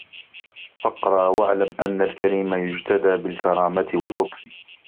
فَقْرَا وَاعْلَمْ أَنَّ الْكَرِيمَ يُجْتَدَى بِالْكَرَامَةِ وَاللُّطْفِ